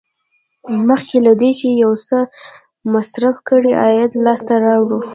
مخکې له دې چې یو څه مصرف کړئ عاید لاسته راوړه.